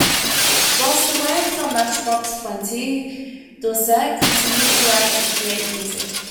Whilst away from Matchbox Twenty, Doucette continued to write and create music.